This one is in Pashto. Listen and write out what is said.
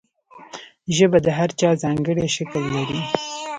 ژبه د هر چا ځانګړی شکل لري.